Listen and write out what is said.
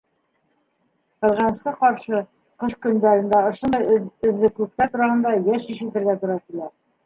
Ҡыҙғанысҡа ҡаршы, ҡыш көндәрендә ошондай өҙөклөктәр тураһында йыш ишетергә тура килә.